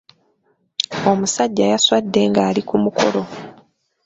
Omusajja yaswadde ng'ali ku mukolo.